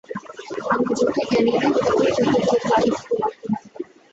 আমরা যতই জ্ঞানী হই, ততই প্রকৃতির উপর আধিপত্য লাভ করিতে পারি।